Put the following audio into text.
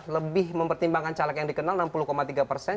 lebih mempertimbangkan caleg yang dikenal enam puluh tiga persen